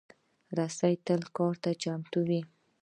رسۍ تل کار ته چمتو وي.